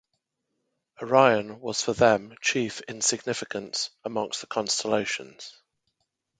Orion was for them chief in significance among the constellations.